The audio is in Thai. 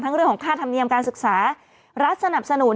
เรื่องของค่าธรรมเนียมการศึกษารัฐสนับสนุน